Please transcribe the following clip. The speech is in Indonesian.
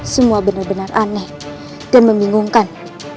semua benar benar aneh dan membingungkan